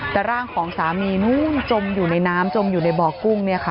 แต่ร่างของสามีนู้นจมอยู่ในน้ำจมอยู่ในบ่อกุ้ง